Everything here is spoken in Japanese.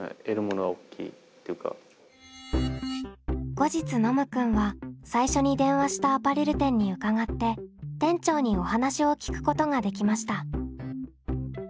後日ノムくんは最初に電話したアパレル店に伺って店長にお話を聞くことができました。